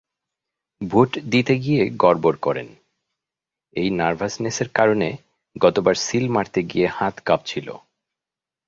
Vote দিতে গিয়ে গড়বড় করেন—এই নার্ভাসনেসের কারণে গতবার সিল মারতে গিয়ে হাত কাঁপছিল।